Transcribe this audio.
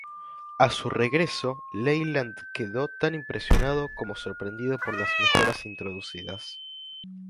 A su regreso, Leyland quedó tan impresionado como sorprendido por las "mejoras" introducidas.